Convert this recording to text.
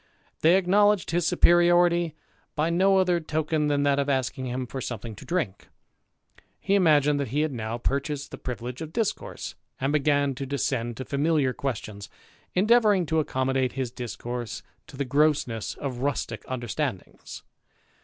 They acknowledged his superiority by no other token than that of asking him for something to drink. He imagined that he had now piur chased the privilege of discourse, and began to descend to familiar questions, endeavouring to accommodate his discourse to the grossness of rustick understandings.